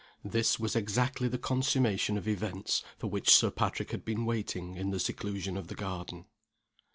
This was exactly the consummation of events for which Sir Patrick had been waiting in the seclusion of the garden.